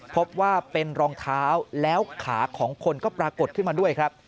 พบว่าเป็นรองเท้าแล้วขาของคนก็ปรากฏขึ้นมาด้วยครับ